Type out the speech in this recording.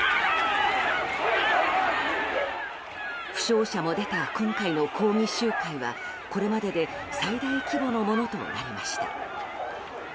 負傷者も出た今回の抗議集会はこれまでで最大規模のものとなりました。